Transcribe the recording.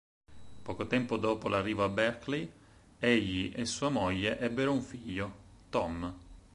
Poco tempo dopo l'arrivo a Berkeley, egli e sua moglie ebbero un figlio, Tom.